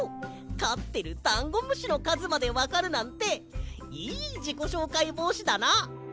かってるダンゴムシのかずまでわかるなんていいじこしょうかいぼうしだな！